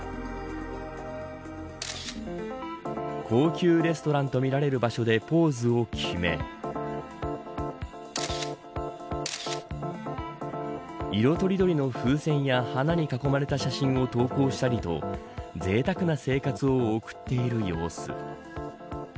高級レストランとみられる場所でポーズを決め色とりどりの風船や花に囲まれた写真を投稿したりとぜいたくな生活を送っている様子。